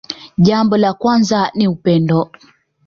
Jambo la kwanza ni upendo